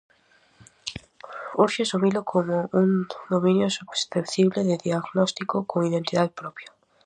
Urxe asumilo como un dominio susceptible de diagnóstico con identidade propia.